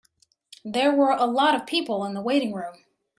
There were a lot of people in the waiting room.